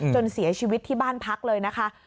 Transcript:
จนเสียชีวิตที่บ้านพักเลยนะคะ